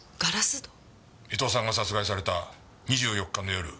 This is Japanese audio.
伊東さんが殺害された２４日の夜